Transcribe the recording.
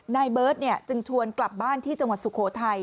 นายเบิร์ตจึงชวนกลับบ้านที่จังหวัดสุโขทัย